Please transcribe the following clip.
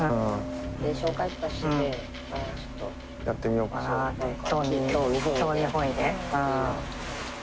やってみようかなって？